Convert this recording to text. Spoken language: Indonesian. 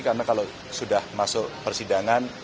karena kalau sudah masuk persidangan